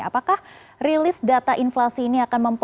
apakah rilis data inflasi ini akan memperbaiki